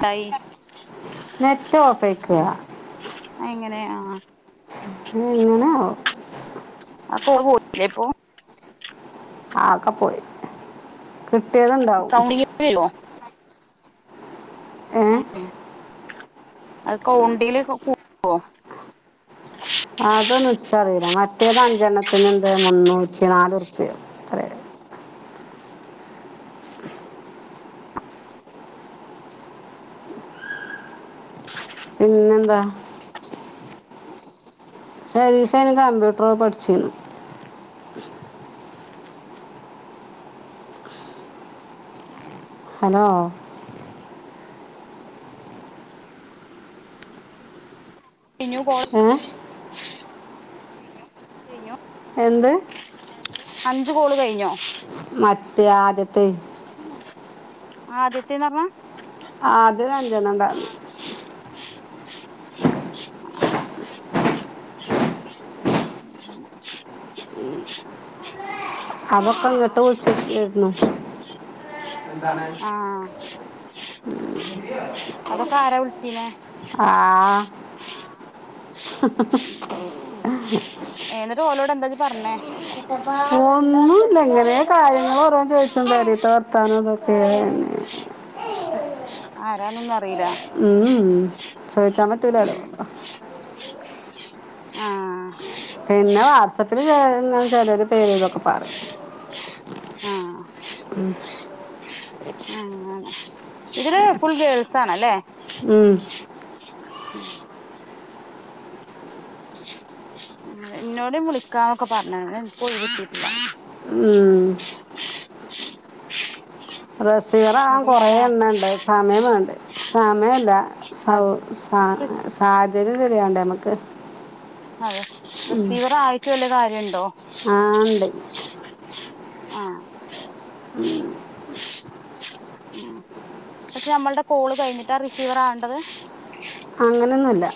ട്ടായി net ഓഫായേക്കുവാ എങ്ങനെയ ആ എങ്ങനെ ആവോ അപ്പ ഓള് പോയിട്ടില്ലേ ഇപ്പൊ അതൊക്കെ പോയി കിട്ടിയതുണ്ടാവും കൗണ്ടിങ് വരുവോ ഏ [unintelligible] ആഹ് അതൊന്ന് ഇച്ചറീല മറ്റേത് അഞ്ചെണ്ണത്തിന് മുന്നൂറ്റി നാല് റുപ്യ പിന്നെന്താ ശരീഫ അന്ന് കമ്പ്യൂട്ടറാ പഠിച്ചിന് ഹലോ ഏ [unintelligible] കെഴിഞ്ഞു എന്ത് അഞ്ച് കോള് കഴിഞ്ഞോ അത്യ ആദ്യത്തെ ആദ്യത്തേന്നർഞ്ഞ ആദ്യം ഒരു അഞ്ചെണ്ണം ഉണ്ടായിരുന്നു ആഹ് ഉം അങ്ങനെ അതൊക്കെ ഇങ്ങട്ട് വിളിച്ച് തീർന്നു ആഹ് അതൊക്കെ ആരാ വിളിച്ചീനെ ആ ഉം എന്നിട്ട് ഓലോട് എന്താ ഇജ്ജ് പറഞ്ഞേ കുട്ടപ്പാ ഒന്നൂല്ല ഇങ്ങനെ കാര്യങ്ങൾ ഓരോന്ന് ചോദിച്ചും പെരേത്തെ വർത്താനം അതൊക്കെ തന്നെ ആരാണെന്ന് പർ ഉം ഉം ചോയിച്ചാൻ പറ്റൂലാലോ ഉം ആ പിന്നെ വാട്സപ്പിൽ ചെലോരു ഇങ്ങനെ ചേലോര് പേര് ഇതൊക്കെ പറയും ആഹ് ഉം ആ ആണ് ഇതില് ഫുൾ ഗേൾസ് ആണല്ലേ ഉം ഉം [inaudible] ഉം എന്നോടിം വിളിക്കാന്നൊക്കെ പറ ഞ്ഞ്ണ് എനിക്ക് ഒഴിവ് കിട്ടിട്ടില്ല ഉം [inaudible] റെസീവർ ആവാൻ അത് കൊറെ ഞാനാ എണ്ണണ്ട് സമയം വേണ്ടെ സമയല്ല സൗ സാ അത് സാഹചര്യം ശെരി ആവണ്ടേ നമ്മക്ക് അതെ റിസീവർ ആയിട്ട് വല്ല്യ കാര്യുണ്ടോ ആ ഉണ്ട് ആ ഉം പക്ഷെ നമ്മൾടെ കോള് കഴിഞ്ഞിട്ടാ റിസീവർ ആവണ്ടത് അങ്ങനൊന്നുമില്ല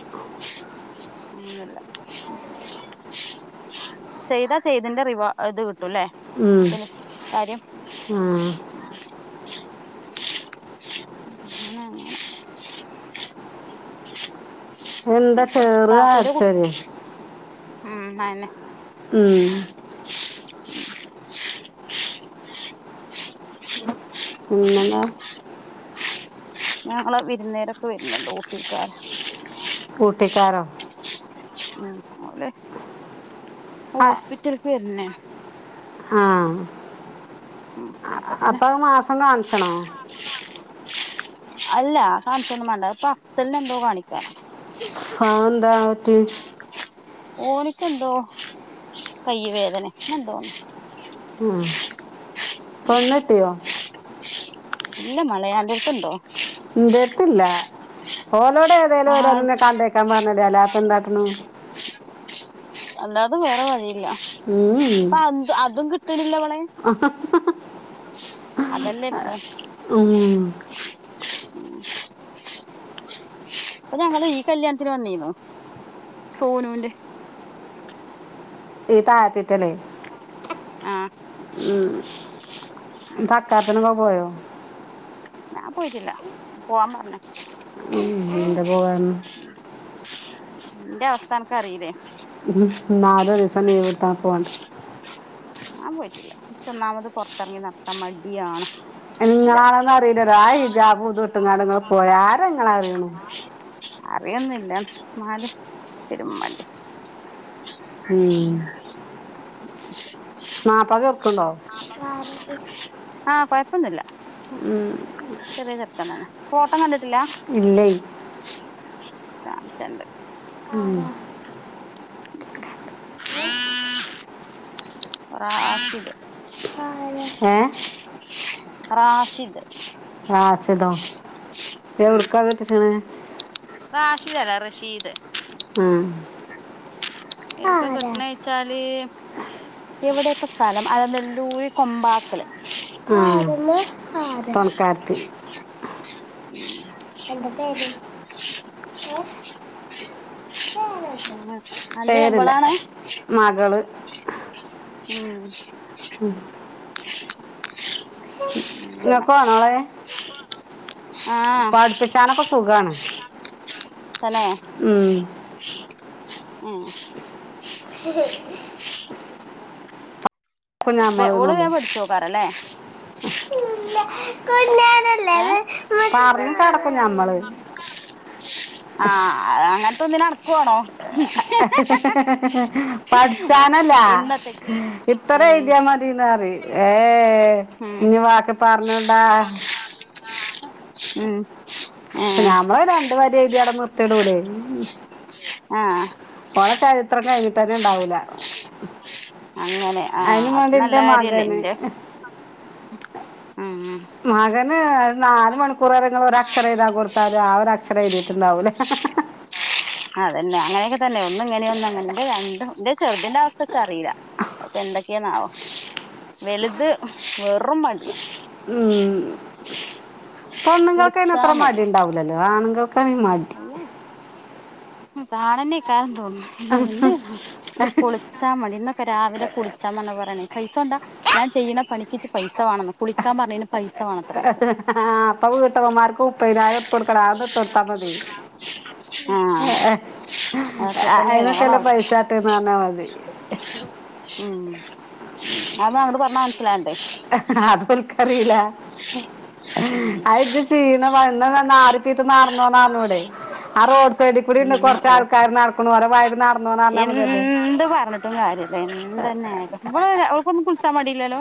അങ്ങനല്ല ചെയ്താ ചെയ്തിന്റെ റിവാ ഇത് കിട്ടൂല്ലേ ഉം പിന്നെ കാര്യം [inaudible] ആ അന അങ്ങനെ [unintelligible] എന്താ മതെ ചെറു താപ്പര് കുട്ട അടിച്ചോര് ഉം അയിനെ. [unintelligible] ഉം [unintelligible] ഞങ്ങള്വിവി [unintelligible] രുന്നേരൊക്കെ വരുന്നുണ്ട് ഊട്ടിക്കാർ ഊട്ടിക്കാരോ ഉം അല്ലെ ഹോസ്പിറ്റലക്ക് വരുന്നേ. ആഹ് ആ അപ്പ അത് മാസം കാണിച്ചണൊ അല്ല കാണിച്ചൊന്നും വേണ്ട ഇപ്പൊ അഫ്സലിന് എന്തോ കാണിക്കാന. [unintelligible] എന്താ ഓറ്റ ഓനിക്ക എന്തോ കയ്യ് വേദന അങ്ങെനെ എന്തോയാണ് ആ പെണ്ണെട്ടിയോ ഇല്ല മഴയാലിട്ടുണ്ടോ? ഉ എന്റെ എടുത്തില്ല ഓലോടെ ഏതായാലും ആ ഓരോന്ന കണ്ടേക്കാൻ പറഞ്ഞടാല? പന്ത അട്ടന്? [unintelligible] അല്ലാതെ വേറെ വഴിയില്ല ഇപ്പൊ അ അതും കിട്ടണില്ലളെ ആ [unintelligible] അതല്ലേ ഇപ്പോ. ഉം. ഉം. അപ്പൊ ഞങ്ങള് ഈ കല്യാണത്തിന് വന്നീന്നു സോനുവിന്റെ. ഈ തായത്തീത്തെ അല്ലെ ആഹ് ഉം. തക്കാത്തിനോക്കെ പോയോ? ഞാൻ പോയിട്ടില്ല പോവാൻ പറഞ്. എന്തെ പോവാൻ ന്റെ അവസ്ഥ അനക്ക് അറീലെ? നാലോ ദിവസം ലീവ് എടുത്താൽ പോകണ്ട ഞാൻ പോയിട്ടില്ല ച്ച് ഒന്നാമത് പുറത്തിറങ്ങി നടക്കാൻ മടിയാണ്. ഇന്റെ നിങ്ങളാണോന്ന് അവസ്ഥ അറീലല്ലോ ആ ഹിജാബൂദ് വെട്ടുന്നാട നിങ്ങള് പോയാ ആരാ അറിയണു. അറിയൊന്നില്ല എന്നാല് ശെരി ഉമ്മാൻ മാപ്പിള ചെറുക്കുണ്ടോ ആഹ് കൊഴപ്പൊന്നുല്ല. ഉം. ചെറിയ ചെക്കനാണ് ഫോട്ടം കണ്ടിട്ടില്ലാ? ഇല്ലെയ്. കാണിച്ചെന്റ്. ഉം. റാഷിദ്. ഏ റാഷിദ്. റാഷിദോ അപ്പ്യ എവിട്ക്ക കെട്ടിച്ചണ്? റാഷിദ് അല്ല റഷീദ്. ആഹ്. എവ്ക്കാ കെട്ടണേ വെച്ചാല് എവിടേപ്പ സ്ഥലം അലനല്ലൂര് കൊമ്പാക്കല്. തൊൺക്കാര്ത്തി ഉം. അന്റെ പേരില്ല ഇവളാണ്? മകള് ഉം ഉം ഇങ്ങക്ക് വാണോളെ സുഖാണ് ആഹ് ഉം ആഹ് കുഞ്ഞമ്മള് ഓള് എന്നുള്ളു മേം പട്ച്ചോക്കാരല്ലേ? ഏഹ് പർഞ്ഞ് ചടക്കും നമ്മള്. ആഹ് അങ്ങൻത്തെ ഒന്നിനെ അൻക്ക് വാണോ? പട്ച്ചാനല്ല ഇന്നത്തേക്ക് ഇത്ര ഉം എയ്തിയാമ തീന്നറി. ഏഹ് ഉം ഇഞ്ഞ് വാക്കി പർഞ്ഞൊണ്ടാ ആഹ് ഉം. ഏഹ് നമ്മള് രണ്ട് വരി എയ്തിയാ അവ്ടെ നിർത്തിടൂലേ. ആഹ് ഓളെ ചരിത്രം കഴിഞ്ഞിട്ട് തന്നെ ഉണ്ടാവൂല അങ്ങനെ ആഹ് അതിനു അത് വേണ്ടി നല്ല എന്റെ കാര്യല്ലേ ന്റെ മകന് മകന് നാല് മണിക്കൂറേരം ഒരക്ഷരം എയ്താ കൊട്ത്താലും ആ ഒരക്ഷരം എഴ്തീട്ടുണ്ടാവൂല. അതന്നെ അങ്ങനൊക്കെ തന്നെ ഒന്നും ഇങ്ങനിം ഒന്നു അങ്ങനിം ന്റെ രണ്ടും ന്റെ ചെർതിൻന്റെ അവസ്ഥ ച്ച് അറീല്ല. അപ്പൊ എന്തൊക്കെന്നാവോ വലുത് വെറും മടിയാ ഉം. പെണ്ണുങ്ങൾക്ക് അതിന് അത്ര മടി ഉണ്ടാവൂലല്ലോ ആണുങ്ങൾക്കാണ് ഈ മടി കാണനേക്കാൻ തോന്നുന്നു ഇത് എ ഇ കൊളിച്ചാ മടന്ന [unintelligible] പ്പ രാവിലെ കുളിച്ചാ പറന്ന് പറയണേ പൈസ കൊണ്ടാ ഞാൻ ചെയ്യണ പണിച്ച് ഇച്ചി പൈസ വാണെന്ന് കുളിക്കാൻ പറന്- പൈസ വേണത്ര ഓൾക്ക് ആഹ് പകുതിട്ടവമാർക്ക [unintelligible] ഉപ്പൈതിന കൊടുക്കടട്ട് ഒരു തപതി ആഹ് അതൊക്കെ തന്നെ നോ [unintelligible] അതിനൊക്കെയല്ലേ ണ പൈസ ആട്ടെന്ന് പറഞ്ഞാൽ മതി ഉം അത് അങ്ങോട്ട് പറഞ്ഞ മനസില- അതു ഇവൾക്ക് അറിയില്ല ഉം അ ഇത് ക്ഷീണ വറിപ്പീട്ട്ന്നാറുന്നു നാറുന്നു ഇടെ ആ റോഡ് സൈഡിൽ ഇവിടെ ഇരുന്നു ഉം കൊറച്ച ഓ ആൾക്കാർ നടക്കണ ഓരോ വയ നടന്നുന്ന് പറഞ്ഞാൽ മതിയത് ല്ല എന്ത തന്നെയ ആലോ ഇവള് ഇവൾക്കൊന്നും കുളിച്ചാൽ മടിയില്ലല്ലോ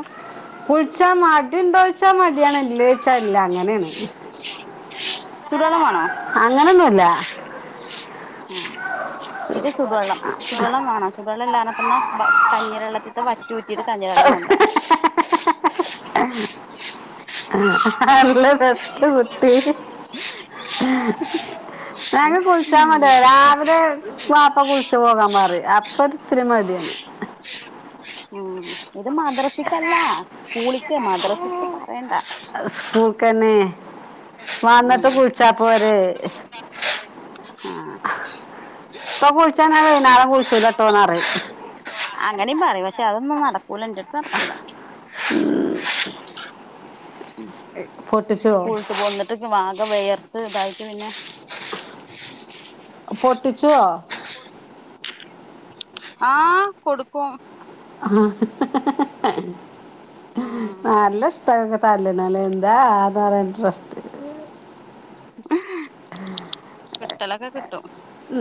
കുളിച്ചാൽ മടിണ്ടോ ചോദിച്ചാ മടിയാണ് ഇല്ലേ വെച്ചാ ഇല്ല അങ്ങനെയാണ് ചൂട് വെള്ളംവേണോ അങ്ങനൊന്നല്ല ആഹ് ഇത് ചുടുവെള്ളം ചുടുവെള്ളം വേണം ചുടുവെള്ളംല്ലാ പറഞ്ഞഞ്ഞീ വെള്ളത്തിട്ട വറ്റിഊറ്റിട്ട് കഞ്ഞീര വെള്ളം ുണ്ട [unintelligible] [unintelligible] നല്ല ബെസ്റ്റ് കുട്ടി ഞങ്ങ കുളിച്ചാ മതി രാവിലെ ബാപ്പ കുളിച്ച- ച്ച പോകാൻ പറയും അപ്പൊ ഇത്തിരി മടിയാണ് ഉം ഇത് മദ്രസിക്കല്ല സ്കൂളിക്ക് മദ്രസക്ക് പറയണ്ട സ്കൂൾക്ക് തതന്നെ ഉം വന്നിട്ട് കുളിച്ചാൽ പൊരെ ആഹ് ഇപ്പൊ കുളിച്ചാ ഞാൻ വൈനാളം കുളിച്ചുെട്ടോ- അങ്ങനിം പറിം പക്ഷെ അതൊന്നും നടക്കൂല ഇന്റെട്ത്ത് നടക്കൂല. പൊട്ടിച്ചുവോ സ്കൂൾട്ട് വന്ന്ട്ട് പ്പം ആകെ വെയർ ത്ത് തായിട്ട് പിന്നെ പൊട്ടിച്ചോ? ആഹ് കൊട്ക്കും. ഉം ആ നല്ല ഷ് പ്പൻക്ക് തല്ലണല്ലേ എന്താ ആ പറ്യാൻ ഇൻട്രസ്റ്റ് കിട്ടലൊക്കെ കിട്ടും. ഉം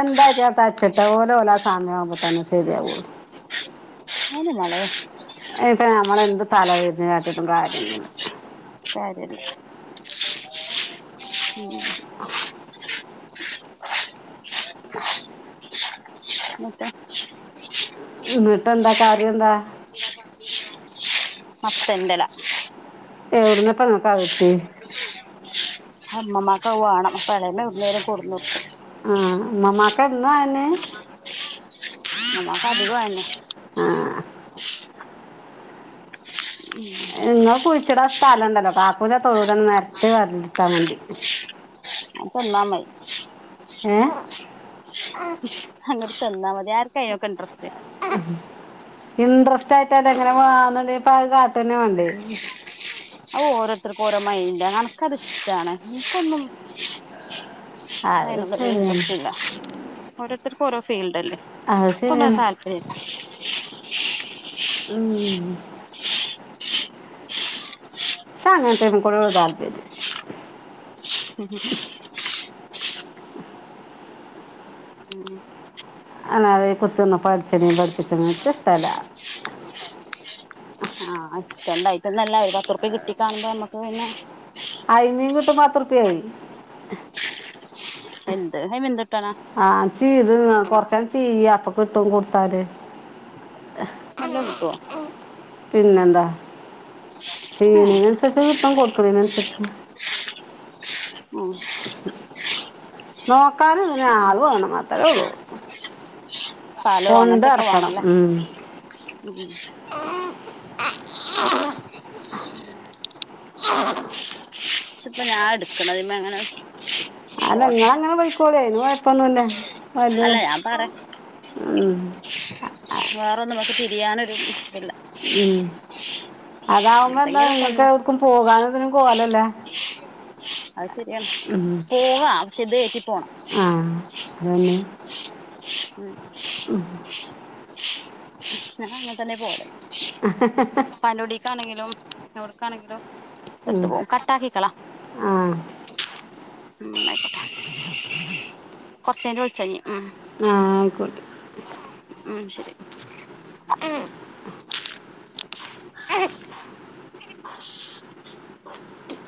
എന്താ ജാ തച്ച്ട്ട് ഓല് ഓലാ സമയവുമ്പോ തന്നെ ശെര്യാവൊള്ളൂ. അയ്ന് മളേ അത്പ്പൊ നമ്മളെന്ത് തലതിര്ഞ്ഞ് കാട്ടിട്ടും കാര്യൊന്നുല്ല.. [unintelligible] ഉം [unintelligible] ഇന്നട്ടെന്ത കറ്യെന്ത? മത്തെൻ്റെല യൗട്നാപ്പങ്ങക്ക് അത്ട്ട്യേ? ഇമ്മമാക്കത് വാണം അപ്പ ള്ളേമ യൗട്ന്നേലും കൊട്ന്നൊട്ക്കും. ഉം ഇമ്മാമാക്ക് എന്നു അയെന്നെ ഇമ്മാമാക്ക് അധികും അയെന്നെ ആ ഇങ്ങക്ക് കുയ്ച്ചിടാ സ്ഥലണ്ടല്ലോ കാക്കൂൻ്റെ തൊടുതന്നെ നെര്ത്തി [unintelligible] ട്ടാ മതി. അ [unintelligible] ത്ത്ന്ന മ്മത് ഏഹ് അങ്ങട് ചെന്നാ മതി ആർക്കാ ഇതിനൊക്ക ഇൻട്രസ്റ്റ് ഇൻട്രസ്റ്റ് ആയിട്ടല്ല ഇങ്ങനെ വേണോന്നിണ്ടപ്പ അത് കാട്ടന്നെ വേണ്ടേ അത് ഓരോരുത്തർക്ക് ഓരോ മയ്ന്റാണ് എനക്ക് അത് ഇഷ്ടാണ് ഇനിക്കൊന്നും അത് അയ്നുള്ളൊരു ശരിയാണ് ഇൻട്രെസ്റ്റില്ല ഓരോരുത്തർക്ക് ഓരോ ഫീൽഡല്ലേ അത് എക്കൊന്നും അത് ശരിയാണ് താല്പര്യില്ല ഇം സാ അങ്ങനത്തെ [unintelligible] താല്പര്യം ഉം അന്നാഥെ കുത്തുന്ന പഠിച്ചണേം പഠിപ്പിച്ചണേം എനിച്ചിഷ്ടല്ല ആഹ് ഇഷ്ടണ്ടായിട്ടന്നല്ല ഒരു പത്ത്റുപ്യ കിട്ടി കാണുമ്പോ നമ്മുക്ക് പിന്നെ അയിമീൻ കിട്ടും പത്ത് റുപ്യായി എന്ത്‌ [unintelligible] ആഹ് ചീതിന്ന കൊറച്ചാള് ചിയ്യാ അപ്പൊ കിട്ടും കൊടുത്താല് നല്ല കിട്ടുവോ പിന്നെന്താ ഏഹ് ചീളീനനുസരിച്ച് കിട്ടും കൊടുക്കണേനനുസരിച്ച് ഉം നോക്കാനെന്നു പറഞ്ഞ ആള് വേണം അത്രേ ഉള്ളൂ സ്ഥലോ കൊണ്ട് അങ്ങനത്തൊക്കെ നടക്കണം വേണല്ലേ ഉം ഉം ഉം ഷിപ്പ ഞാൻ എടുക്കണതിമ്മെ എങ്ങനത് അല്ല ഇങ്ങളങ്ങനെ പൊയ്ക്കോളി അയ്ന് കൊഴപ്പൊന്നുല്ല അലേ അല്ല ഞാൻ ഉം വേറെ നമുക്ക് തിരിയാനൊരു ഇതില്ല ഉം അതാവുമ്പോ എന്താ എന്തെങ്കിലൊക്കെ നിങ്ങക്ക് ഒന്ന് എവടക്കും പോകാനതിനും കോലല്ല അത് ശരിയാണ് പോവാ പക്ഷെ ഇത് [unintelligible] ആഹ് അതന്നെ ഉം [unintelligible] ഉഹ [unintelligible] ന തെ പോേ [unintelligible] ഉ [unintelligible] പനുടിക്കാണെങ്കിലും അവർക്കാണെങ്കിലും എ കട്ടാക്കിക്കള ആഹ് ഉം [unintelligible] ആയിക്കോട്ടെ കൊറച്ചര ഒളിച്ച കഴഞ്ഞഞ് ഉ ആഹ് ആയിക്കോട്ടെ ഉം ശരി [unintelligible]